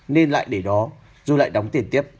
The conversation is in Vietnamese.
nên lại để đó dù lại đóng tiền tiếp